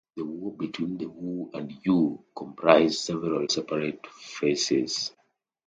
The war between Wu and Yue comprised several separate phases.